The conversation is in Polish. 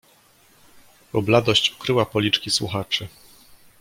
"Bo bladość okryła policzki słuchaczy."